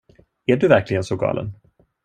Är du verkligen så galen?